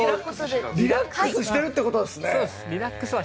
リラックスしてるってことですね。